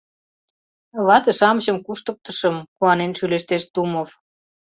Вате-шамычым куштыктышым, — куанен шӱлештеш Тумов.